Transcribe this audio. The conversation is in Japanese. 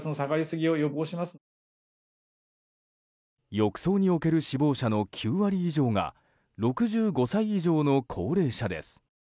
浴槽における死亡者の９割以上が６５歳以上の高齢者です。